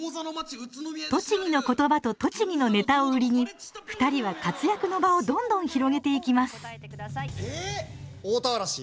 栃木の言葉と栃木のネタを売りに２人は活躍の場をどんどん広げていきます大田原市。